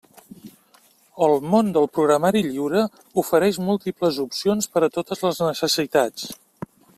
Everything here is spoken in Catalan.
El món del programari lliure ofereix múltiples opcions per a totes les necessitats.